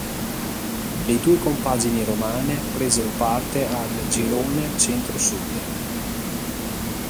Le due compagini romane presero parte al girone Centro-Sud.